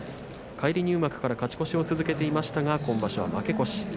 返り入幕から勝ち越しを続けていましたが今場所は負け越し。